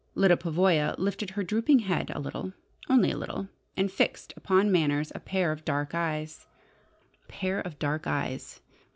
Lyda Pavoya lifted her drooping head a little only a little, and fixed upon Manners a pair of dark eyes. "A pair of dark eyes!"